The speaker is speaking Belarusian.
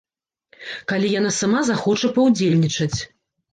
Калі яна сама захоча паўдзельнічаць.